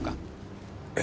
え？